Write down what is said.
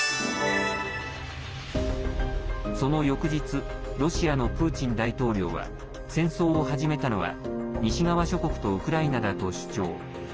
その翌日ロシアのプーチン大統領は戦争を始めたのは西側諸国とウクライナだと主張。